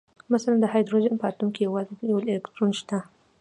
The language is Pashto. مثلاً د هایدروجن په اتوم کې یوازې یو الکترون شته